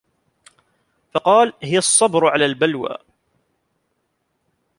فَقَالَ هِيَ الصَّبْرُ عَلَى الْبَلْوَى